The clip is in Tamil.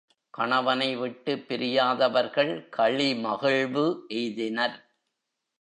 கணவனை விட்டுப் பிரியாதவர்கள் களிமகிழ்வு எய்தினர்.